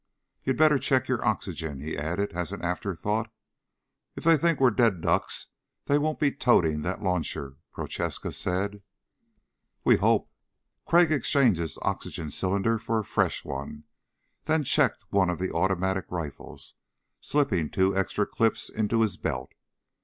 You'd better check your oxygen," he added as an afterthought. "If they think we're dead ducks they won't be toting the launcher," Prochaska said. "We hope." Crag exchanged his oxygen cylinder for a fresh one, then checked one of the automatic rifles, slipping two extra clips in his belt.